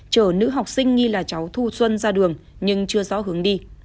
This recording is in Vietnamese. chở nữ học sinh nghi là cháu thu xuân ra đường nhưng chưa rõ hướng đi